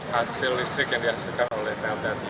hasil listrik yang dihasilkan oleh teltas ini